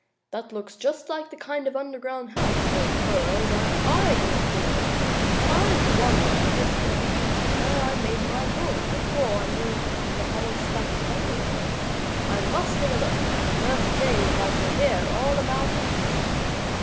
"That looks just like the kind of an underground house, or burrow, where I used to live. I wonder if this can be where I made my home before I moved to the hollow stump bungalow? I must take a look. Nurse Jane would like to hear all about it."